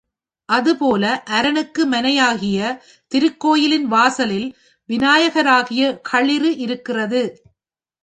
அதுபோல அரனுக்கு மனையாகிய திருக்கோயிலின் வாசலில் விநாயகராகிய களிறு இருக்கிறது.